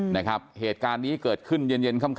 นะครับเหตุการณ์นี้เกิดขึ้นเย็นค่ำ